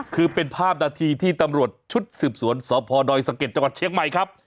คือเป็นภาพนาทีที่ตำรวจชุดสืบสวนสพดอยสะเก็ดจังหวัดเชียงใหม่ครับ